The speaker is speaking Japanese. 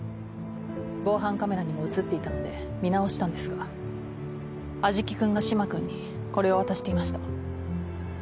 防犯カメラにも写っていたので見直したんですが安食君が嶋君にこれを渡していました。